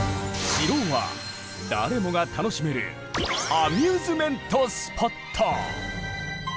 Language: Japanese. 城は誰もが楽しめるアミューズメントスポット！